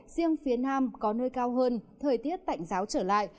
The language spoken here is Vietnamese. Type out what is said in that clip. riêng phía nam có nơi cao hơn thời tiết tạnh giáo trở lại